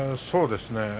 そうですね。